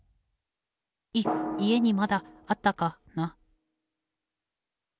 ⁉い家にまだあったかな。